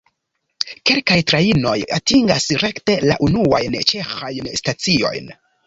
Kelkaj trajnoj atingas rekte la unuajn ĉeĥajn staciojn.